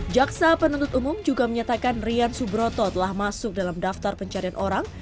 jaksa penuntut umum juga menyatakan rian subroto telah masuk dalam daftar pencarian orang